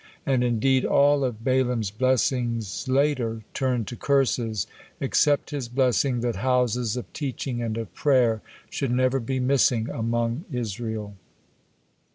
And indeed all of Balaam's blessing later turned to curses, except his blessing that houses of teaching and of prayer should never be missing among Israel.